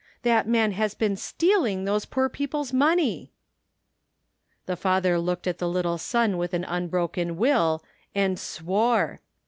That man had been stealing those poor people's money !*' The father looked at the little son with the unbroken will and swore!